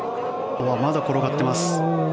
まだ転がってます。